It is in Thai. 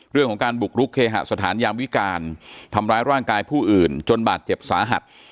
เรื่องของการบุกรุกเคหสถานยามวิการทำร้ายร่างกายผู้อื่นจนบาดเจ็บสาหัส